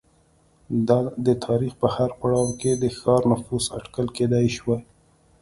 د تاریخ په هر پړاو کې د ښار نفوس اټکل کېدای شوای